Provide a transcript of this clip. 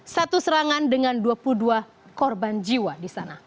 satu serangan dengan dua puluh dua korban jiwa di sana